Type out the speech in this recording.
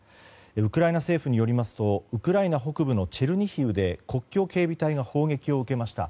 ウクライナ政府によりますとウクライナ北部のチェルニヒウで国境警備隊が砲撃を受けました。